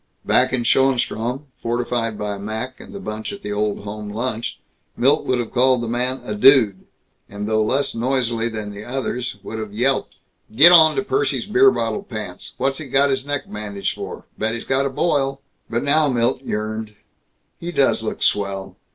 Back in Schoenstrom, fortified by Mac and the bunch at the Old Home Lunch, Milt would have called the man a "dude," and though less noisily than the others would have yelped, "Get onto Percy's beer bottle pants. What's he got his neck bandaged for? Bet he's got a boil." But now Milt yearned, "He does look swell.